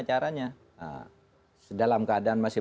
caranya dalam keadaan masih